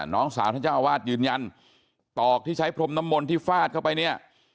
น้องสาวเจ้าวาดยืนยันตอกที่ใช้พรมนมลที่ฟาดเข้าไปเนี่ย